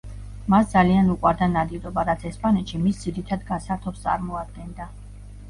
მას ძალიან უყვარდა ნადირობა, რაც ესპანეთში მის ძირითად გასართობს წარმოადგენდა.